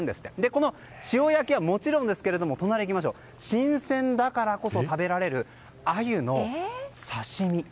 この塩焼きはもちろんですが新鮮だからこそ食べられるアユの刺し身。